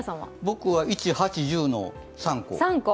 僕は１、８、１０の３個。